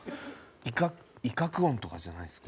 威嚇音とかじゃないですか？